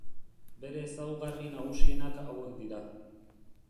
Bere ezaugarri nagusienak hauek dira.